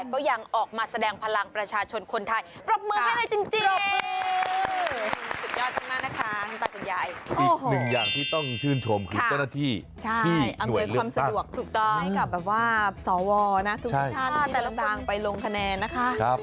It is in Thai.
ความเศร้านะทุกช่านแต่ละตังไปลงคะแนนนะคะ